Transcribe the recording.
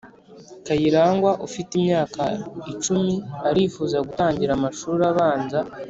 Kayirangwa ufite imyaka icumi arifuza gutangira amashuri abanza